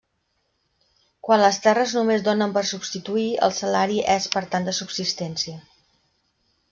Quan les terres només donen per subsistir, el salari és per tant de subsistència.